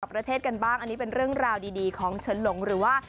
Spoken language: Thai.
ประเทศกันบ้างอันนี้เป็นเรื่องราวดีของเฉินหลงหรือว่า